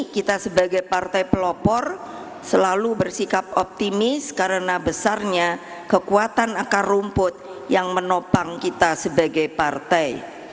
kita sebagai partai pelopor selalu bersikap optimis karena besarnya kekuatan akar rumput yang menopang kita sebagai partai